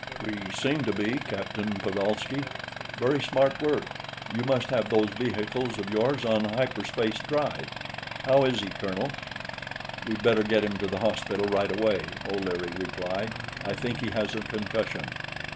"We seem to be, Captain Pedolsky. Very smart work; you must have those vehicles of yours on hyperspace drive.... How is he, colonel?" "We'd better get him to the hospital, right away," O'Leary replied. "I think he has a concussion."